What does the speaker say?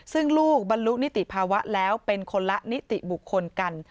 ซึ่งลูกบรรลุนิติภาวะแล้วเป็นคนละนิติบุคคลกัน